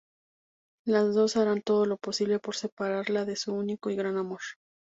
Las dos harán todo lo posible por separarla de su único y gran amor.